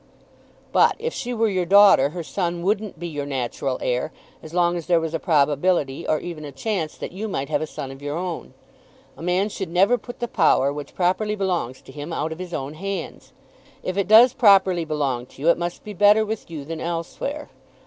"But, if she were your daughter, her son wouldn't be your natural heir as long as there was a probability or even a chance that you might have a son of your own. A man should never put the power, which properly belongs to him, out of his own hands. If it does properly belong to you it must be better with you than elsewhere.